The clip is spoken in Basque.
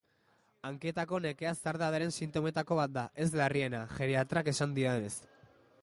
Hanketako nekea zahardadearen sintometako bat da, ez larriena, geriatrak esaten didanez.